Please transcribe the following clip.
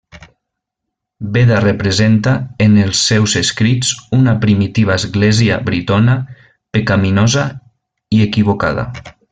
Beda representa en els seus escrits una primitiva Església britona pecaminosa i equivocada.